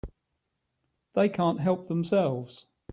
They can't help themselves.